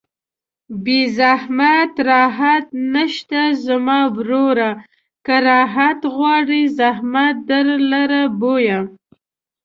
بې زحمته راحت نشته زما وروره که راحت غواړې زحمت در لره بویه